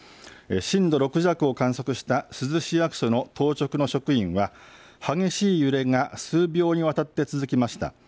震度６弱を観測した珠洲市役所の当直の職員は激しい揺れが数秒にわたって続きました。